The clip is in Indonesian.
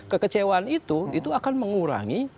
kekecewaan itu akan mengurangi